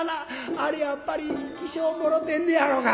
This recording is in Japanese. あれやっぱり起請もろてんのやろか」。